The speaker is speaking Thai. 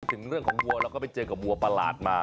ถึงเรื่องของวัวเราก็ไปเจอกับวัวประหลาดมา